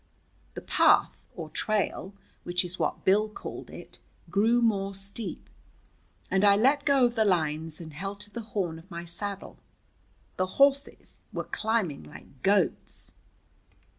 The path or trail, which is what Bill called it grew more steep, and I let go of the lines and held to the horn of my saddle. The horses were climbing like goats.